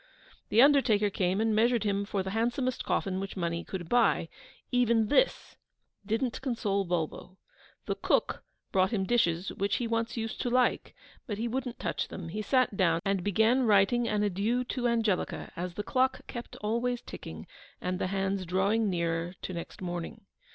The Undertaker came and measured him for the handsomest coffin which money could buy even this didn't console Bulbo. The Cook brought him dishes which he once used to like; but he wouldn't touch them: he sat down and began writing an adieu to Angelica, as the clock kept always ticking, and the hands drawing nearer to next morning.